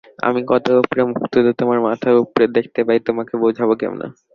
আমি কত উপরে মুখ তুলে তোমার মাথা দেখতে পাই তোমাকে বোঝাব কেমন করে?